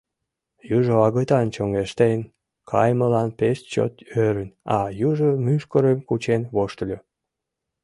Южо агытан чоҥештен кайымылан пеш чот ӧрын, а южо мӱшкырым кучен воштыльо.